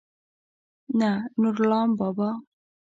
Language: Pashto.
نه نورلام بابا.